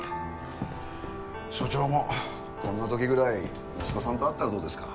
署長もこんな時ぐらい息子さんと会ったらどうですか？